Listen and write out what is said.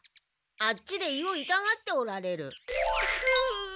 あっちで胃をいたがっておられる。